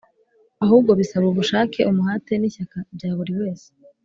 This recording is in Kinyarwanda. Ahubwo bisaba ubushake, umuhate n’ishyaka bya buri wese.